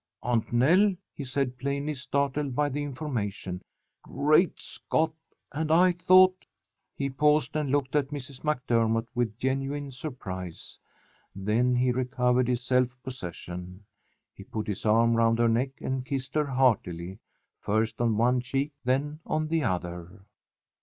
"Aunt Nell!" he said, plainly startled by the information. "Great Scott! and I thought " He paused and looked at Mrs. MacDermott with genuine surprise. Then he recovered his self possession. He put his arm round her neck and kissed her heartily, first on one cheek, then on the other.